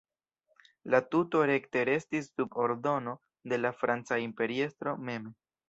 La tuto rekte restis sub ordono de la franca imperiestro mem.